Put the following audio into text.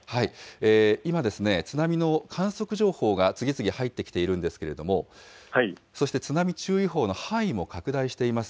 今ですね、津波の観測情報が次々、入ってきているんですけれども、そして津波注意報の範囲も拡大しています。